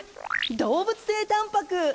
動物性タンパク。